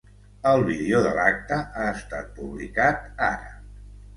El vídeo de l’acte ha estat publicat ara.